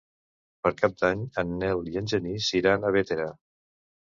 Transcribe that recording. Per Cap d'Any en Nel i en Genís iran a Bétera.